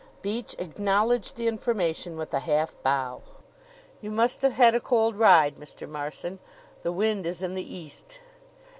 Beach acknowledged the information with a half bow. "You must have had a cold ride, Mr. Marson. The wind is in the east."